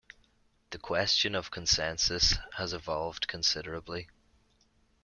The question of consensus has evolved considerably.